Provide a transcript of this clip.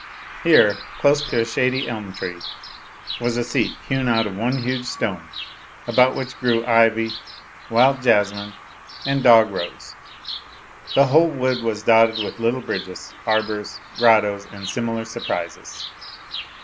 Here, close to a shady elm tree, was a seat hewn out of one huge 254 A LITTLE HERO stone, about which grew ivy, wild jasmine, and dog rose ; the whole wood was dotted with little bridges, arbours, grottoes, and similar siarprises.